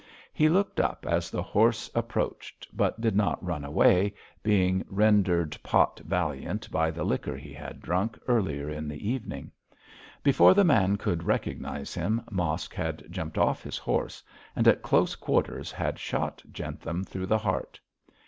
He looked up as the horse approached, but did not run away, being rendered pot valiant by the liquor he had drunk earlier in the evening. Before the man could recognise him, Mosk had jumped off his horse; and, at close quarters, had shot Jentham through the heart.